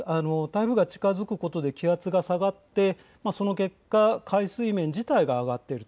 台風が近づくことで気圧が下がって海水面自体が上がっている。